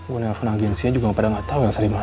gue nelfon agensinya juga gak pada gak tau nielsa dimana